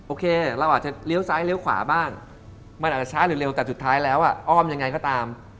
โอเคเราอาจจะเลี้ยวซ้ายเลี้ยวขวาบ้างมันอาจจะช้าหรือเร็วแต่สุดท้ายแล้วอ้อมยังไงก็ตาม